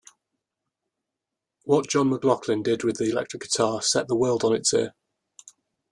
What John McLaughlin did with the electric guitar set the world on its ear.